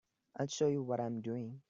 I'll show you what I'm doing.